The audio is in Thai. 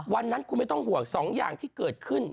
วันนั้นคุณไม่ต้องห่วงสองอย่างที่เกิดขึ้น